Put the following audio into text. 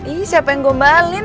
ih siapa yang gombalin